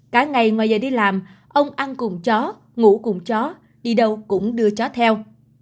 cả ngày ngoài giờ đi làm ông ăn cùng chó ngủ cùng chó đi đâu cũng đưa chó theo